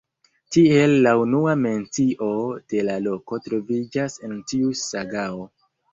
Tiel la unua mencio de la loko troviĝas en tiu sagao.